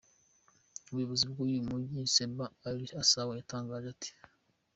Umuyobozi wuyu mujyi Saber Al-Essawi yatangaje ati .